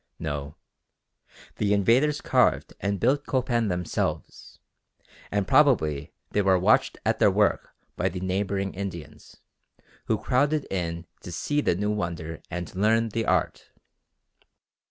No; the invaders carved and built Copan themselves, and probably they were watched at their work by the neighbouring Indians who crowded in to see the new wonder and learn the art.